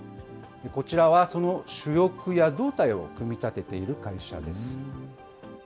こちらはその主翼や胴体を組み立てている会社です。